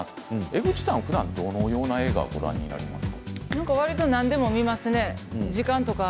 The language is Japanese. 江口さんはふだん、どのような映画をご覧になりますか？